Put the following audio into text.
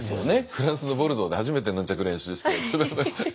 フランスのボルドーで初めてヌンチャク練習して。